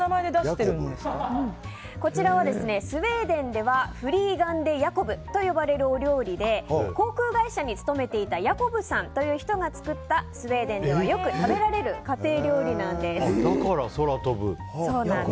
こちらはスウェーデンではフリーガンデ・ヤコブと呼ばれるお料理で航空会社に勤めていたヤコブさんという人が作ったスウェーデンではよく食べられるだから、空飛ぶ。